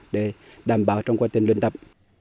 để đảm bảo trong quá trình luyện tập